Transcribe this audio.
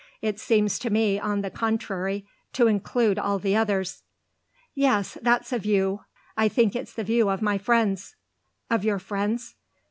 It seems to me on the contrary to include all the others." "Yes that's a view. I think it's the view of my friends." "Of your friends?"